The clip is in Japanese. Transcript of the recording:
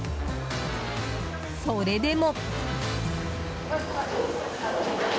それでも。